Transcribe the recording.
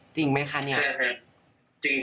จริงไหมคะนี่ใช่ค่ะจริง